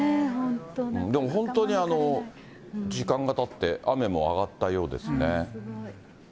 でも本当に時間がたって、雨も上がったようですね。